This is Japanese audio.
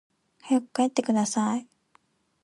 早く帰ってください